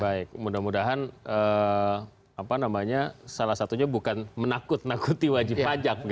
baik mudah mudahan salah satunya bukan menakut nakuti wajib pajak